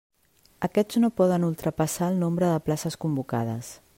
Aquests no poden ultrapassar el nombre de places convocades.